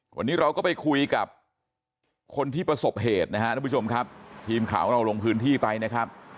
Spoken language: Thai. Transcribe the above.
วันนี้เราก็ไปคุยกับคนที่ประสบเหตุนะครับทีมข่าวเราลงพื้นที่ไปนะครับ